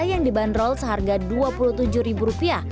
yang dibanderol seharga rp dua puluh tujuh